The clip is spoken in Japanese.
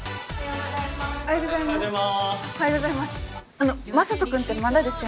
あの雅人君ってまだですよね？